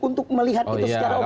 untuk melihat itu secara umum